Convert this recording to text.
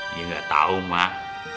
ya gak tau mbak